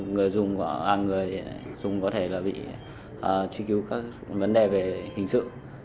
người dùng có thể bị truy cứu các vấn đề về hình sự